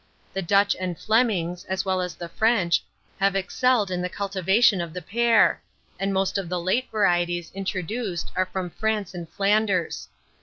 The Dutch and Flemings, as well as the French, have excelled in the cultivation of the pear, and most of the late varieties introduced are from France and Flanders.